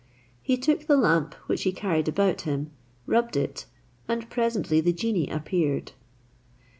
He took the lamp which he carried about him, rubbed it, and presently the genie appeared.